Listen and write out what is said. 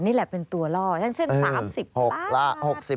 นี่แหละเป็นตัวล่ออย่างเช่น๓๐ล้าน